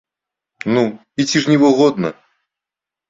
Ну, і ці ж невыгодна?